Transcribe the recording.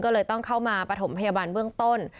ก็เลยต้องเข้ามาปฐมพยาบาลเบื้องต้น